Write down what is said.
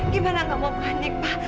gimana gak mau panik pak